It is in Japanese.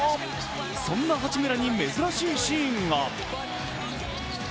そんな八村に珍しいシーンが。